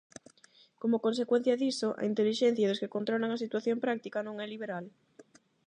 Como consecuencia diso, a intelixencia dos que controlan a situación práctica non é liberal.